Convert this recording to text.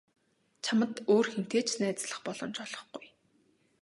Чамд өөр хэнтэй ч найзлах боломж олгохгүй.